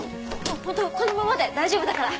ホントこのままで大丈夫だから。